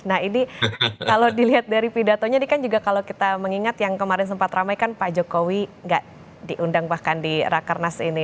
nah ini kalau dilihat dari pidatonya ini kan juga kalau kita mengingat yang kemarin sempat ramai kan pak jokowi nggak diundang bahkan di rakernas ini